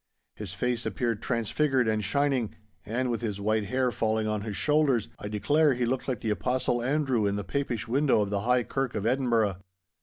His face appeared transfigured and shining, and, with his white hair falling on his shoulders, I declare he looked like the Apostle Andrew in the Papish window of the High Kirk of Edinburgh.